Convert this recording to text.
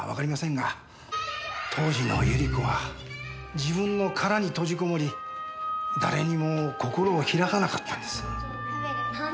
当時の百合子は自分の殻に閉じこもり誰にも心を開かなかったんです。